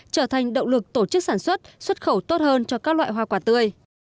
trở thành động lực tổ chức sản xuất xuất khẩu tốt hơn cho các loại hoa quả tươi